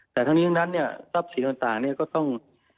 แต่ทั้งนี้ทั้งนั้นเนี่ยทรัพย์สินต่างเนี่ยก็ต้อง